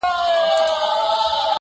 زه مي له ژونده په اووه قرآنه کرکه لرم,